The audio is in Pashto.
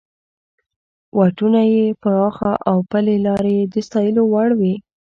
واټونه یې پراخه او پلې لارې یې د ستایلو وړ وې.